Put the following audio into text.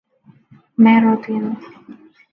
ما رضينا